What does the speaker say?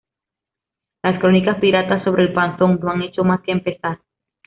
Las crónicas piratas sobre el Phazon no han hecho más que empezar...